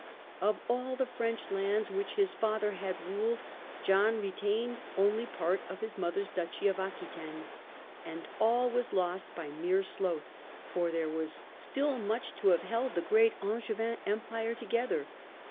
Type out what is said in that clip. Of all the French lands which his father had ruled, John retained only part of his mother's duchy of Aquitaine. And all was lost by mere sloth, for there was still much to have held the great Angevin Empire together.